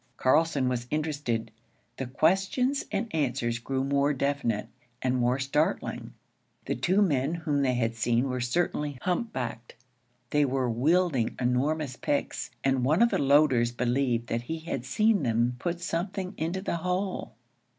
Carlson was interested. The questions and answers grew more definite and more startling. The two men whom they had seen were certainly hump backed. They were wielding enormous picks, and one of the loaders believed that he had seen them put something into the hole.